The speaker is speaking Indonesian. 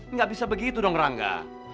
nggak bisa begitu dong rangga